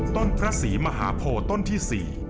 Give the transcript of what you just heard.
ต้นพระศรีมหาโภคต้นที่๔